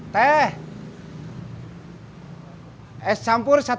tukar sama es campur jalan makmur